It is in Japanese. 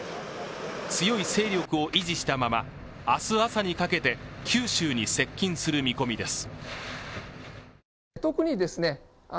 強い勢力を維持したまま明日朝にかけて九州に接近する見込みです。